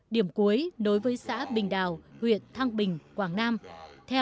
điểm cuối nối với xã bình